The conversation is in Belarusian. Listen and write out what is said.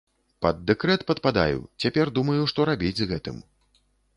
Пад дэкрэт падпадаю, цяпер думаю, што рабіць з гэтым.